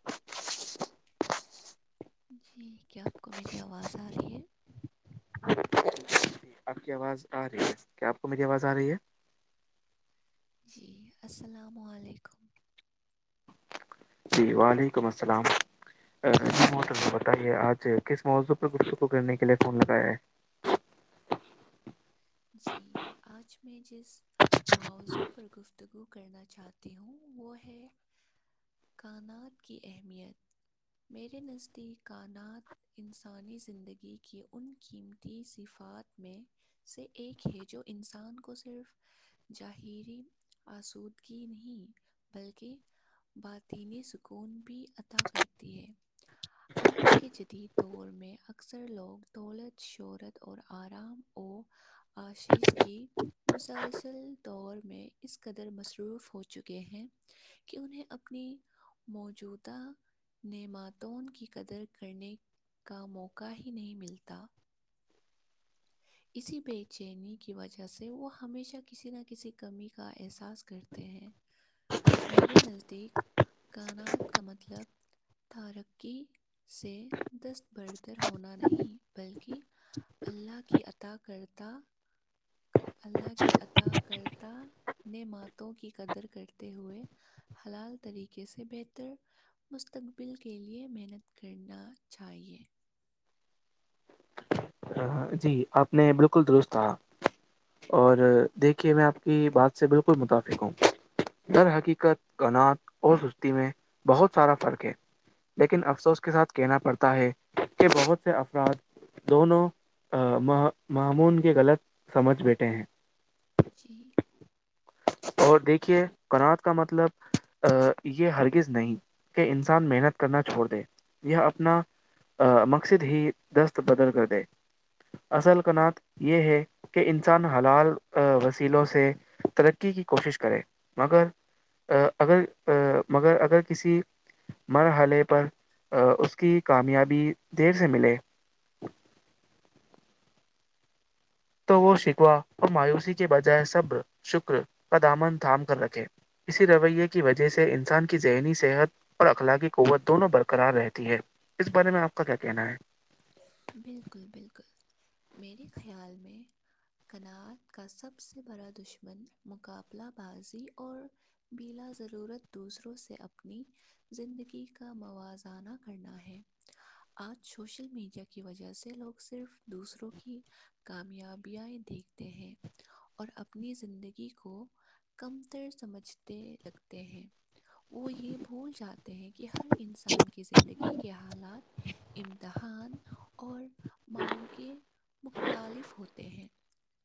ہ [inaudible] جی کیا آپ کو میری آواز آ رہی ہے آپ کی آواز آ رہی ہے کیا آپ کو میری آواز آ رہی ہے جی السلام علیکم جی وعلیکم السلام ہوٹل بتائیے آج کس موضوع پر صوں کو گنے کے لیے فون لگایا ہے جی آج میں جس ماوضوع پر گفتگو کرنا چاہتی ہوں وہ ہے کائانات کی اہمیت میرے نزدیک کائانات انسانی زندگی کی ان قیمتی صفات میں سے ایک ہے جو انسان کو صرف جاہری آسودگی نہیں بلکہ باطینی سکون بھی عطا کرتی ہے آج کے جدید دور میں اکثر لوگ دولت شہرت اور آرام اور آشیش کی مسلسل دور میں اس قدر مصروف ہو چکے ہیں کہ انہیں اپنی موجودہ نعماتوں کی قدر کرنے کا موقع ہی نہیں ملتا اسی بے چینی کی وجہ سے وہ ہمیشہ کسی نہ کسی کمی کا احساس کرتے ہیں میرے نزدیک کاانات کا مطلب ترقی سے دست بردر ہونا نہیں بلکہ اللہ کی عطا کرتاہ اللہ کی عطا کرتا نے ماتوں کی قدر کرتے ہوئے حلال طریقے سے بہتر مستقبل کے لیے محنت کرنا چاہیے جی آپ نے بالکل درست کہا اور دیکھیے میں آپ کی بات سے بالکل متفق ہوں درحقیقت کنات اور سستی میں بہت سارا فرق ہے لیکن افسوس کے ساتھ کہنا پڑتا ہے کہ بہت سے افراد دونوں معمون کے غلط سمجھ بیٹھے ہیں جی اور دیکھیے کنات کا مطلب یہ ہرگز نہیں کہ انسان محنت کرنا چھوڑ دے یہ اپنا مقصد ہی دست بدر کر دے اصل کنات یہ ہے کہ انسان حلال وسیلوں سے ترقی کی کوشش کرے مگر اگر مگر اگر کسی مرحلے پر اس کی کامیابی دیر سے ملے تو وہ شکوا اور مایوسی کے بجائے صبر شکر کا دامن تھام کر رکھے اسی رویے کی وجہ سے انسان کی ذہنی صحت اور اخلاقی قوت دونوں برقرار رہتی ہے اس بارے میں آپ کا کیا کہنا ہے بالکل بالکل میرے خیال میں کناعت کا سب سے بڑا دشمن مقابلہ بازی اور بلا ضرورت دوسروں سے اپنی زندگی کا موازنہ کرنا ہے آج سوشل میڈیا کی وجہ سے لوگ صرف دوسروں کی کامیابیا دیکھتے ہیں اور اپنی زندگی کو کم تر سمجھتے لگتے ہیں وہ یہ بھول جاتے ہیں کہ ہر انسان کی زندگی کے حالات امتہا کھان اور ماؤ کے مختالف ہوتے ہیں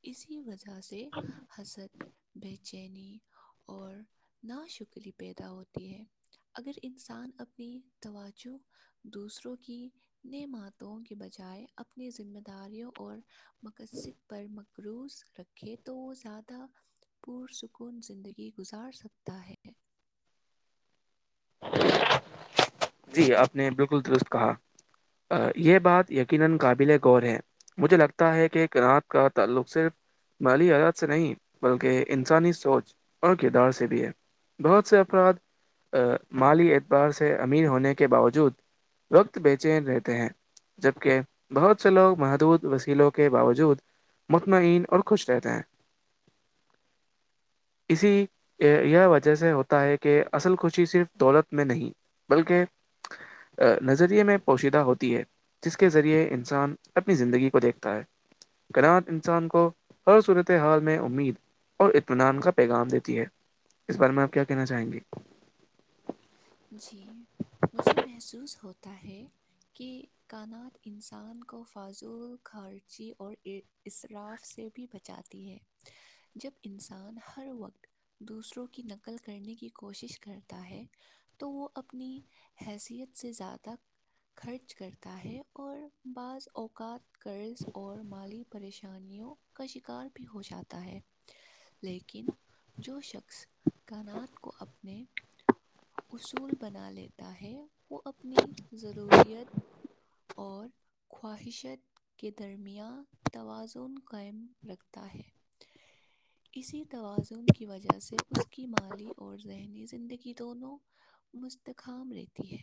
اسی وجہ سے حست بے چینی اور ناشکری پیدا ہوتی ہے اگر انسان اپنی توجو دوسروں کی نمتوں کے بجائے اپنی ذمہ داریوں اور مقصد پر م کروز رکھے تو زیادہ پر سکون زندگی گزار سکتا ہے جی اپ نے بالکل درست کہا یہ بات یقینا قابل غور ہے مجھے لگتا ہے کہ کنات کا تعلق صرف مالی حیات سے نہیں بلکہ انسانی سوچ اور کردار سے بھی ہے بہت سے افراد ا مالی اعتبار سے امیر ہونے کے باوجود وقت بے چین رہتے ہیں جبکہ بہت سے لوگ محدود وسیلوں کے باوجود مطمئن اور خوش رہتے ہیں [unintelligible] اسی یہ وجہ سے ہوتا ہے کہ اصل خوشی صرف دولت میں نہیں بلکہ نظریے میں پوشیدہ ہوتی ہے جس کے ذریعے انسان اپنی زندگی کو دیکھتا ہے کرنات انسان کو ہر صورت حال میں امید اور اطمینان کا پیغام دیتی ہے اس بارے میں آپ کیا کہنا چاہیں گے جی مجھے محسوس ہوتا ہے کہ کانات انسان کو فاضل خرچی اور ار اراف سے بھی بچاتی ہے جب انسان ہر وقت دوسروں کی نقل کرنے کی کوشش کرتا ہے تو وہ اپنی حیثیت سے زیادہ خرچ کرتا ہے اور بعض اوقات قرض اور مالی پریشانیوں کا شکار بھی ہو جاتا ہے لیکن جو شخص کانات کو اپنے اصول بنا لیتا ہے وہ اپنی ضروریت اور خواہشت کے درمیان توازن قائم رکھتا ہے اسی توازن کی وجہ سے اس کی مالی اور ذہنی زندگی دونوں مستکام رہتی ہے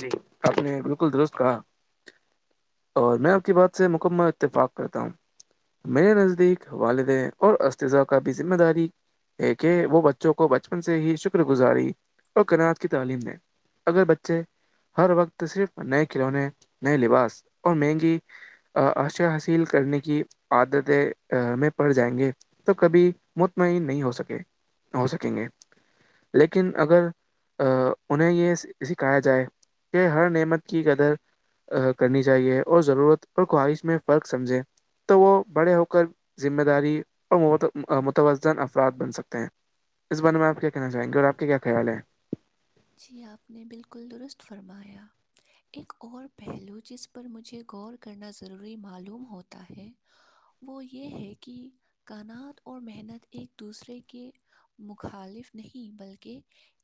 جی آپ نے بالکل درست کہا اور میں آپ کی بات سے مکمہ اتفاق کرتا ہوں میرے نزدیک والدہ اور استذہ کا بھی ذمہ داری ایک کہ وہ بچوں کو بچپن سے ہی شکر گزاری اور کناعات کی تعلیم دیں اگر بچے ہر وقت صرف نئے کھلونے نئے لباس اور مہنگی آشیا حاصل کرنے کی عادتیں میں پڑ جائیں گے تو کبھی مطمئن نہیں ہو سکے ہو سکیں گے لیکن اگر انہیں یہ سکھایا جائے کہ ہر نعمت کی قدر کرنی چاہیے اور ضرورت اور خواہش میں فرق سمجھیں تو وہ بڑے ہو کر ذمہ داری اور متوازن افراد بن سکتے ہیں اس بارے میں آپ کیا کہنا چاہیں گے اور آپ کا کیا خیال ہے جی آپ نے بالکل درست فرمایا ایک اور پہلو جس پر مجھے غور کرنا ضروری معلوم ہوتا ہے وہ یہ ہے کہ کانات اور محنت ایک دوسرے کے مخالف نہیں بلکہ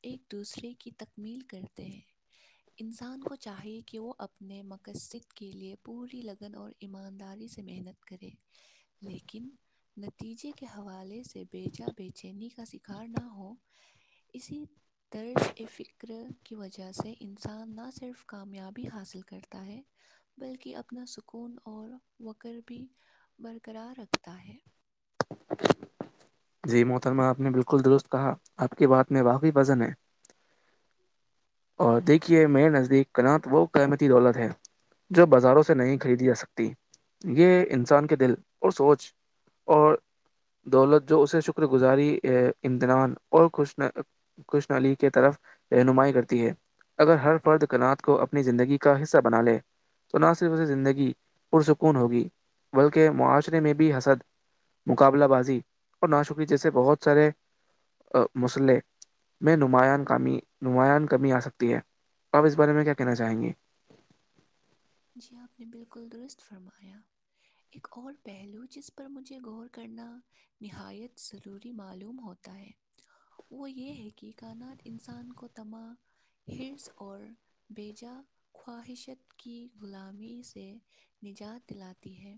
ایک دوسرے کی تکمیل کرتے ہیں انسان کو چاہیے کہ وہ اپنے مقصد کے لیئے پوری لگن اور ایمانداری سے محنت کرے لیکن نتیجے کے حوالے سے بےچا بےچینی کا شکار نہ ہو اسی طرز فکر کی وجہ سے انسان نہ صرف کامیابی حاصل کرتا ہے بلکہ اپنا سکون اور وکر بھی برقرار رکھتا ہے جی محترمہ آپ نے بالکل درست کہا آپ کی بات میں واقعی وزن ہے اور دیکھیے میرے نزدیک کنات وہ قیمتی دولت ہے جو بازاروں سے نہیں خریدی جا سکتی یہ انسان کے دل اور سوچ اور دولت جو اسے شکر گزاری امتنان اور خوش کوشن علی کی طرف رہنمائی کرتی ہے اگر ہر فرد کنات کو اپنی زندگی کا حصہ بنا لے تو نہ صرف اسے زندگی پرسکون ہوگی بلکہ معاشرے میں بھی حسد مقابلہ بازی اور ناشکی جیسے بہت سارے مسئلے میں نمایاں کمی نمایاں کمی آ سکتی ہے اپ اس بارے میں کیا کہنا چاہیں گے جی آپ نے بالکل درست فرمایا ایک اور پہلو جس پر مجھے غور کرنا نہایت ضروری معلوم ہوتا ہے وہ یہ ہے کہ کانات انسان کو تما حرس اور بیجا خواہشت کی غلامی سے نجات دلاتی ہے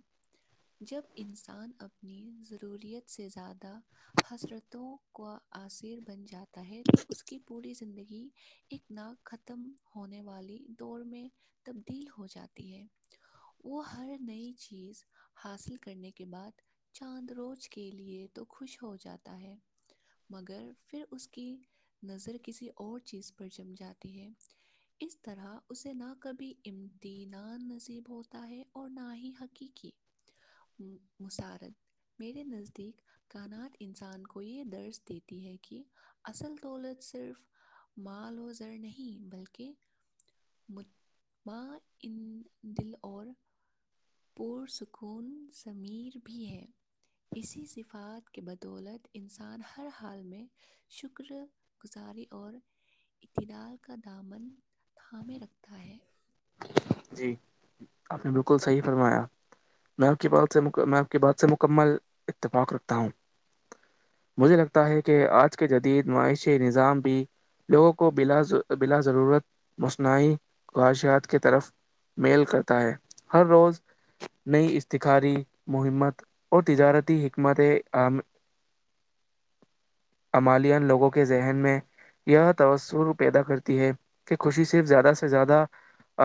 جب انسان اپنی ضروریت سے زیادہ حسرتوں کو عصر بن جاتا ہے تو اس کی پوری زندگی ایک ن ختم ہونے والی دوڑ میں تبدیل ہو جاتی ہے وہ ہر نئی چیز حاصل کرنے کے بعد چاند روز کے لیے تو خوش ہو جاتا ہے مگر پھر اس کی نظر کسی اور چیز پر جم جاتی ہے اس طرح اسے نہ کبھی امدینان نصیب ہوتا ہے اور نہ ہی حقیقی مسارت میرے نزدیک کانات انسان کو یہ درس دیتی ہے کہ اصل دولت صرف مال و زر نہیں بلکہ مجھ ب ان دل اور پرسکون ضمیر بھی ہے اسی صفات کے بدولت انسان ہر حال میں شکر گزاری اور اتدال کا دامن تھامے رکھتا ہے جی آپ نے بالکل صحیح فرمایا میں آپ کی بات سے میں آپ کی بات سے مکمل اتفاق رکھتا ہوں مجھے لگتا ہے کہ آج کے جدید معاشی نظام بھی لوگوں کو بلا بلا ضرورت مسنعی خواہشات کی طرف میل کرتا ہے ہر روز نئی اتخاری محمت اور تجارتی حکمت ع عمالین لوگوں کے ذہن میں یہ توسر پیدا کرتی ہے کہ خوشی صرف زیادہ سے زیادہ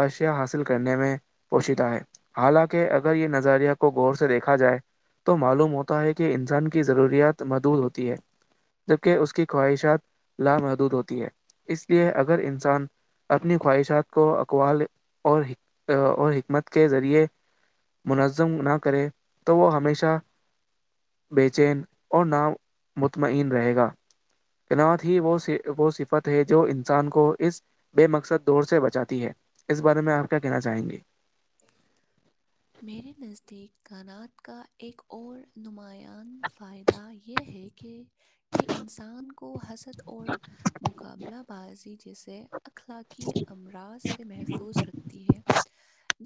اشیاء حاصل کرنے میں پوشتا ہے حالانکہ اگر یہ نظریہ کو غور سے دیکھا جائے تو معلوم ہوتا ہے کہ انسان کی ضروریات مدود ہوتی ہے جبکہ اس کی خواہشات لامحدود ہوتی ہے اس لیے اگر انسان اپنی خواہشات کو اقوال اور اور حکمت کے ذریعے منظم نہ کرے تو وہ ہمیشہ بے چین اور ن مطمئن رہے گا نات ہی وہ وہ صفت ہے جو انسان کو اس بے مقصد دور سے بچاتی ہے اس بارے میں آپ کیا کہنا چاہیں گے [inaudible] میرے نزدیک کانات کا ایک اور نمایاں فائدہ یہ ہے کہ یہ انسان کو حست اور مقابلہ بازی جسے اخلاقی امراض سے محفوظ رکھتی ہے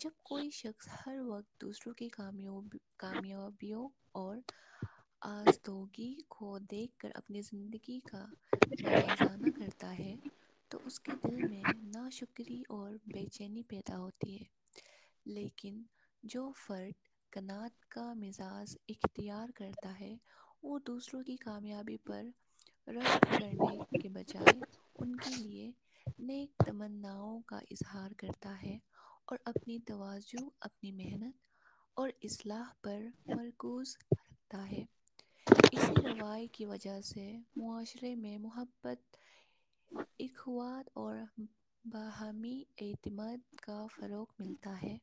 جب کوئی شخص ہر وقت دوسروں کی کا کامیابیوں اور آزدگی کو دیکھ کر اپنی زندگی کا موازانہ کرتا ہے تو اس کے دل میں نا شکر بکری اور بے چینی پیدا ہوتی ہے لیکن جو فرد کناعات کا مزاج اختیار کرتا ہے وہ دوسروں کی کامیابی پر رشک کرنے کے بجائے ان کے لیئے نیک تمناؤں کا اظہار کرتا ہے اور اپنی توازن اپنی محنت اور اصلاح پر مرکوز رکھتا ہے اسی روی کی وجہ سے معاشرے میں محبت اخواد اور باہمی اعتماد کا فروغ ملتا ہے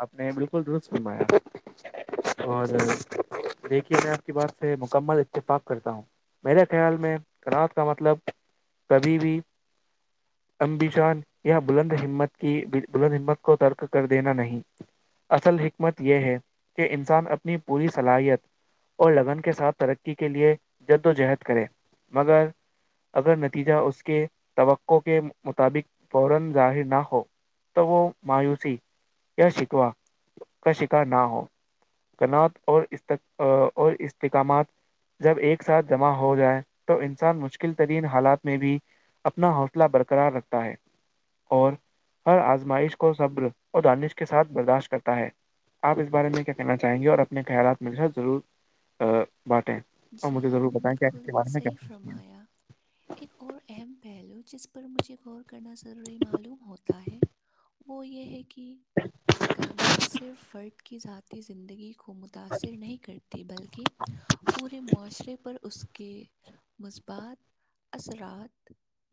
آپ نے بالکل درست گمایا اور دیکھیے میں آپ کی بات سے مکمل اتفاق کرتا ہوں میرے خیال میں رات کا مطلب کبھی بھی امبیشان یہ بلند ہمت کی بلند ہمت کو ترک کر دینا نہیں اصل حکمت یہ ہے کہ انسان اپنی پوری صلاحیت اور لگن کے ساتھ ترقی کے لیے جد وجہد کرے مگر اگر نتیجہ اس کے توقع کے مطابق فورا ظاہر نہ ہو تگ مایوسی کیا شکوا کا شکھا نہ ہو کن اور اور استحکامات جب ایک ساتھ جمع ہو جائے تو انسان مشکل ترین حالات میں بھی اپنا حوصلہ برقرار رکھتا ہے اور ہر آزمائش کو صبر اور دانش کے ساتھ برداشت کرتا ہے آپ اس بارے میں کیا کہنا چاہیں گے اور اپنے خیالات مجھ ضرور باٹیں جی آپ نے بالکل صحیح سوچتی ہیں فرمایا ایک اور اہم پہلو جس پر مجھے غور کرنا ضروری معلوم ہوتا ہے وہ یہ ہے کہ کانات سے فردکی ذی زندگی کو متاثر نہیں کرتی بلکہ پورے معاشرے پر اس کے مثبات اثرات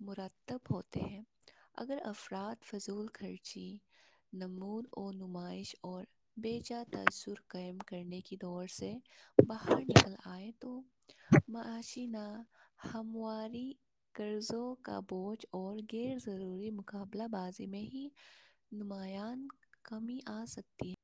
مرتب ہوتے ہیں اگر افراد فضول خرچی نمون و نمائش اور بےجا تاثر قائم کرنے کی دور سے باہر نکل تو معاشین ہمواری قرضوں کا بوجھ اور غیرضروری مقابلہ بازی میں ہی نمایاں کمی آ سکتی ہے